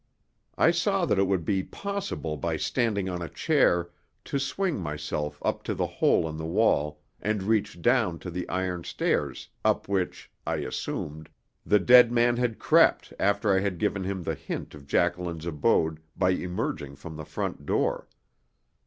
I saw that it would be possible by standing on a chair to swing myself up to the hole in the wall and reach down to the iron stairs up which, I assumed, the dead man had crept after I had given him the hint of Jacqueline's abode by emerging from the front door.